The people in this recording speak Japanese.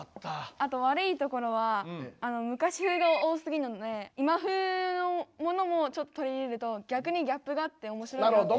あとわるいところは昔風が多すぎるので今風のものもちょっと取り入れると逆にギャップがあっておもしろいなって。